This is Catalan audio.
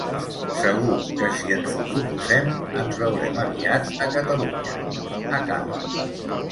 Segur que si ens ho proposem, ens veurem aviat a Catalunya, acaba.